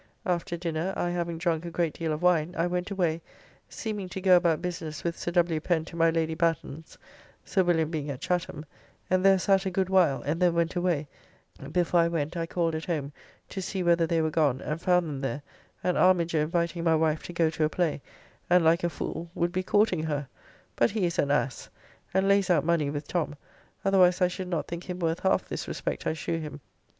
After dinner, I having drunk a great deal of wine, I went away, seeming to go about business with Sir W. Pen, to my Lady Batten's (Sir William being at Chatham), and there sat a good while, and then went away (before I went I called at home to see whether they were gone, and found them there, and Armiger inviting my wife to go to a play, and like a fool would be courting her, but he is an ass, and lays out money with Tom, otherwise I should not think him worth half this respect I shew him).